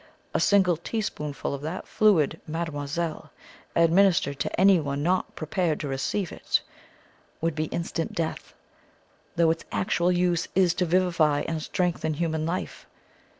A single teaspoonful of that fluid, mademoiselle, administered to anyone not prepared to receive it, would be instant death, though its actual use is to vivify and strengthen human life.